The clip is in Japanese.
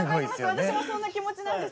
私もそんな気持ちなんです。